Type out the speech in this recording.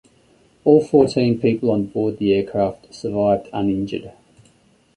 All fourteen people on board the aircraft survived uninjured.